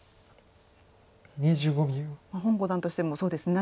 洪五段としてもそうですね